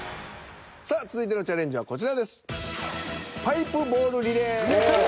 さあ続いてのチャレンジはこちらです。